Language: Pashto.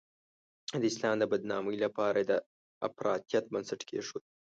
د اسلام د بدنامۍ لپاره یې د افراطیت بنسټ کېښود.